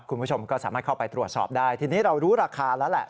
คุณผู้ชมก็สามารถเข้าไปตรวจสอบได้ทีนี้เรารู้ราคาแล้วแหละ